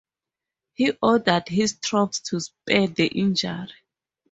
He ordered his troops to spare the injured.